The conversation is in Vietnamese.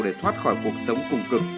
để thoát khỏi cuộc sống cùng cực